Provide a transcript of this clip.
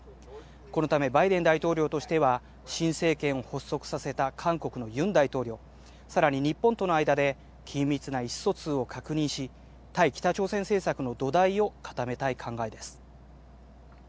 このためバイデン大統領としては、新政権を発足させた韓国のユン大統領、さらに日本との間で、緊密な意思疎通を確認し、対北朝鮮政策の土台を固めたい考えです。